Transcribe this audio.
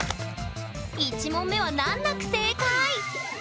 １問目は難なく正解！